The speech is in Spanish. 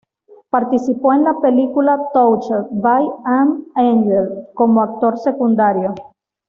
Participó en la película "Touched by an Angel" como actor secundario.